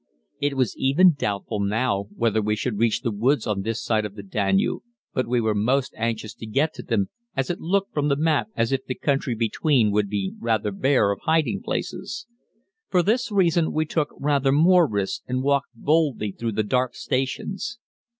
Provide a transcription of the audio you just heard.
It was even doubtful now whether we should reach the woods on this side of the Danube, but we were most anxious to get to them, as it looked from the map as if the country between would be rather bare of hiding places. For this reason we took rather more risks and walked boldly through the dark stations.